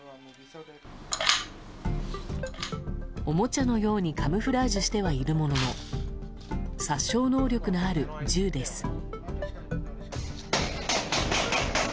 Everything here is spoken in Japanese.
おもちゃのようにカムフラージュしてはいるものの殺傷能力のある銃です。